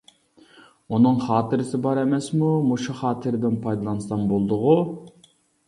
ئۇنىڭ خاتىرىسى بار ئەمەسمۇ، مۇشۇ خاتىرىدىن پايدىلانسام بولىدىغۇ.